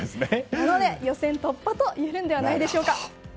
なので、予選突破といえるのではないでしょうか。